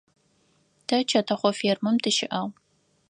Тэ чэтэхъо фермэм тыщыӏагъ.